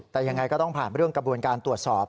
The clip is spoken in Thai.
แต่ยังไงก็ต้องผ่านเรื่องกระบวนการตรวจสอบ